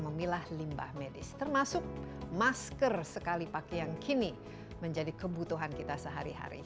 memilah limbah medis termasuk masker sekali pakai yang kini menjadi kebutuhan kita sehari hari